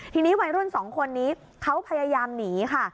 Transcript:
ทีนี้วัยรุ่นสองคนนี้เขาพยายามหนีค่ะ